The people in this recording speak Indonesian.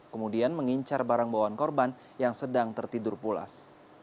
kemudian mengincar barang bawaan korban yang sedang tertidur pulas